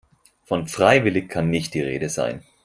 Von freiwillig kann nicht die Rede sein.